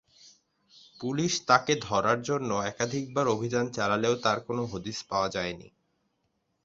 Police তাঁকে ধরার জন্য একাধিকবার অভিযান চালালেও তাঁর কোনো হদিস খুঁজে পায়নি।